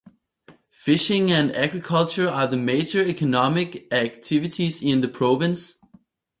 Fishing and agriculture are the major economic activities in the province.